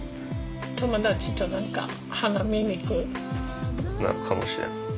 友達と何か花見に行く？かもしれん。